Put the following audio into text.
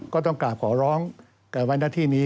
ก็ต้องกราบขอร้องแต่ไว้หน้าที่นี้